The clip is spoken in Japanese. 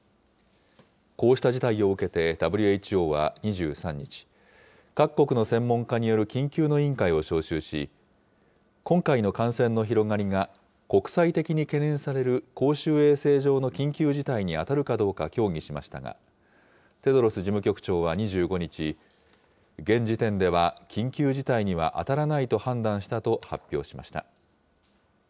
こうした事態を受けて、ＷＨＯは２３日、各国の専門家による緊急の委員会を招集し、今回の感染の広がりが国際的に懸念される公衆衛生上の緊急事態に当たるかどうか協議しましたが、テドロス事務局長は２５日、現時点では緊急事態には当たらないと判断したと発表しました。